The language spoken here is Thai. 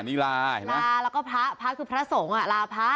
อันนี้ลาลาแล้วก็พระพระคือพระสงฆ์ลาพระ